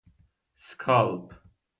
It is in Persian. اسکالپ